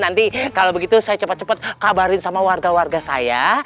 nanti kalau begitu saya cepat cepat kabarin sama warga warga saya